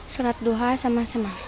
selat duha sama semal